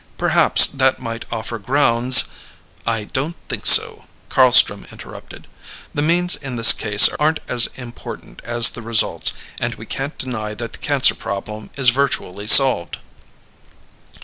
Perhaps that might offer grounds " "I don't think so," Carlstrom interrupted. "The means in this case aren't as important as the results, and we can't deny that the cancer problem is virtually solved."